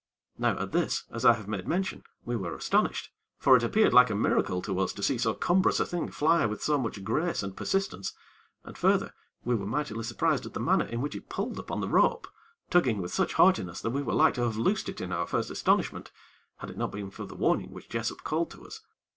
Now at this, as I have made mention, we were astonished, for it appeared like a miracle to us to see so cumbrous a thing fly with so much grace and persistence, and further, we were mightily surprised at the manner in which it pulled upon the rope, tugging with such heartiness that we were like to have loosed it in our first astonishment, had it not been for the warning which Jessop called to us.